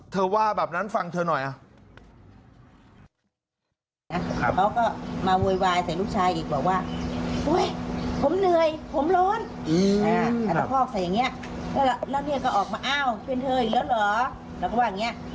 ว่าแบบนั้นฟังเธอหน่อย